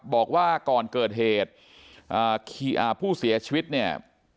บอกว่าก่อนเกิดเหตุผู้เสียชีวิตเนี่ย